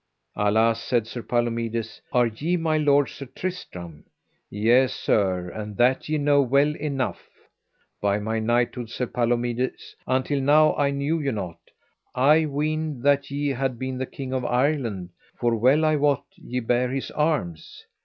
Alas, said Sir Palomides, are ye my lord Sir Tristram? Yea, sir, and that ye know well enough. By my knighthood, said Palomides, until now I knew you not; I weened that ye had been the King of Ireland, for well I wot ye bare his arms.